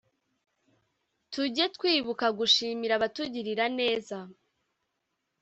tujye twibuka gushimira abatugirira neza,